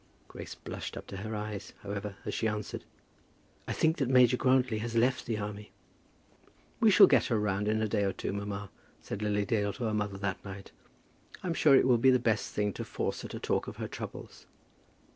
Grace blushed up to her eyes, however, as she answered, "I think that Major Grantly has left the army." "We shall get her round in a day or two, mamma," said Lily Dale to her mother that night. "I'm sure it will be the best thing to force her to talk of her troubles."